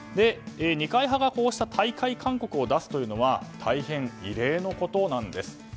二会派が、こうした退会勧告を出すというのは大変、異例なことなんです。